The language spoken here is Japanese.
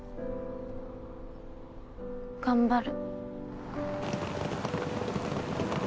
頑張る。